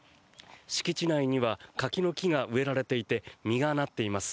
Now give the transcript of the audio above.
敷地内には柿の木が植えられていて実がなっています。